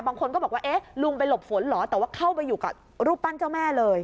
บางคนก็บอกว่าเอ๊ะลุงไปหลบฝนเหรอแต่ว่าเข้าไปอยู่กับรูปปั้นเจ้าแม่เลย